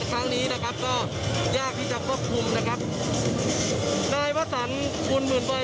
ครั้งนี้นะครับก็ยากที่จะควบคุมนะครับนายวสันบุญหมื่นวัย